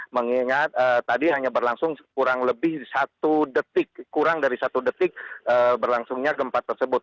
mengingat tadi hanya berlangsung kurang lebih satu detik kurang dari satu detik berlangsungnya gempa tersebut